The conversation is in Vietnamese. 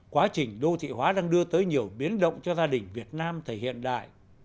quá trình đô thị hóa đang đưa tới nhiều biến động cho gia đình việt nam thời hiện đại